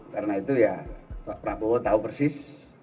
karena itu ya prabowo tahu persis